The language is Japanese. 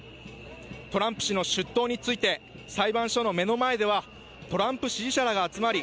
トランプ氏の出頭について裁判所の目の前ではトランプ支持者らが集まり